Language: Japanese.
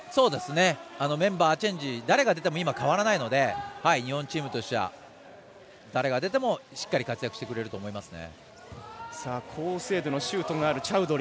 メンバーチェンジ誰が出ても、今変わらないので日本チームとしては誰が出てもしっかり活躍してくれると思いますね。